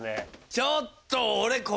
ちょっと。